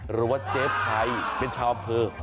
หรือว่าเจ๊ไพรเป็นชาวเพลิง